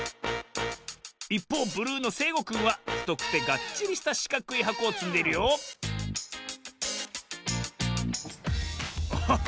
いっぽうブルーのせいごくんはふとくてがっちりしたしかくいはこをつんでいるよおっ！